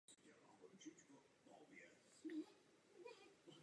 Zpráva přináší nezbytná opatření v pravý čas.